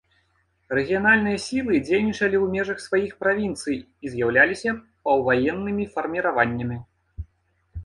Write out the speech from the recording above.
Рэгіянальныя сілы дзейнічалі ў межах сваіх правінцый і з'еўляліся паўваеннымі фарміраваннямі.